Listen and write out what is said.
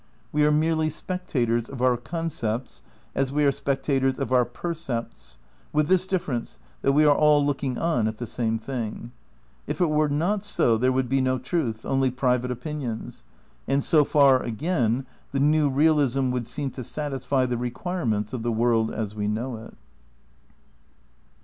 We are merely spec tators of our concepts as we" are spectators of our per cepts ; with this difference, that we are aU looking on at the same thing. If it were not so there would be no truth, only private opinions. And so far, again, the new realism would seem to satisfy the requirements of the world as we know it.